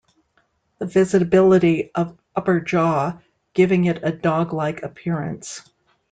The visibility of upper jaw, giving it a dog-like appearance.